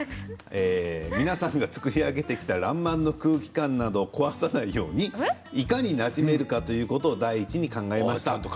皆さんが作り上げてきた「らんまん」の空気感などを壊さないようにいかになじめるかということを第一に考えました。